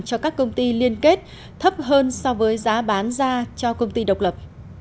cho các công ty liên kết thấp hơn so với giá bán ra cho công ty độc lập